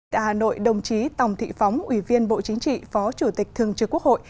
tại hà nội đồng chí tòng thị phóng ủy viên bộ chính trị phó chủ tịch thường trực quốc hội